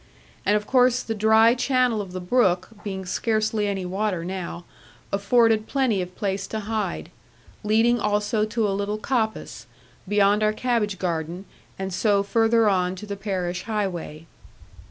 And of course the dry channel of the brook, being scarcely any water now, afforded plenty of place to hide, leading also to a little coppice, beyond our cabbage garden, and so further on to the parish highway.